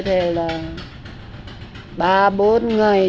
thì là ba bốn người